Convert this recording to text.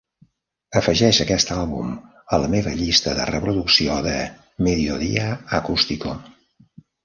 afegeix aquest àlbum a la meva llista de reproducció de Mediodía Acústico